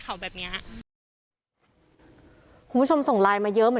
ก็กลายเป็นว่าติดต่อพี่น้องคู่นี้ไม่ได้เลยค่ะ